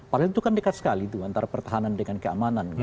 paling itu kan dekat sekali antara pertahanan dengan keamanan